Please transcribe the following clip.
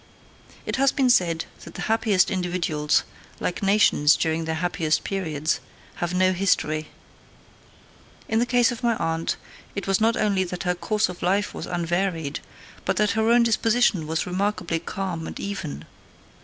It has been said that the happiest individuals, like nations during their happiest periods, have no history. In the case of my aunt, it was not only that her course of life was unvaried, but that her own disposition was remarkably calm and even.